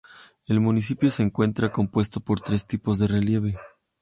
El municipio se encuentra compuesto por tres tipos de relieve.